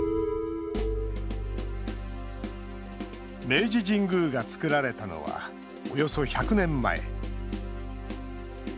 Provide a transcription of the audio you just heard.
明治神宮が造られたのはおよそ１００年前。